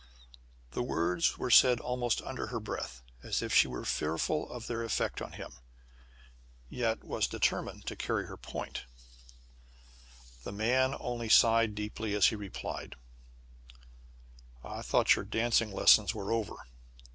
The words were said almost under her breath, as if she were fearful of their effect on him, yet was determined to carry her point. But the man only sighed deeply as he replied: "I thought your dancing lessons were over.